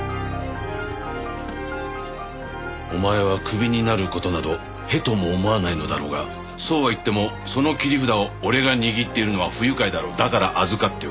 お前はクビになる事など屁とも思わないのだろうがそうはいってもその切り札を俺が握っているのは不愉快だろう？だから預かっておく。